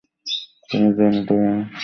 তুমি জানো আমি কি করতে চলেছি?